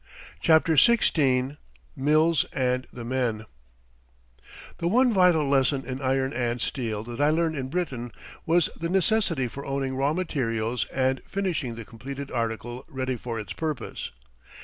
CHAPTER XVI MILLS AND THE MEN The one vital lesson in iron and steel that I learned in Britain was the necessity for owning raw materials and finishing the completed article ready for its purpose.